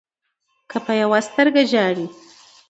که په يوه سترګه ژاړې